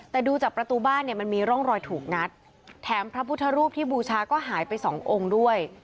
แต่ดูจากประตูบ้านเนี่ยมันมีร่องรอยถูกงัดแถมพระพุทธรูปที่บูชาก็หายไปสององค์ด้วย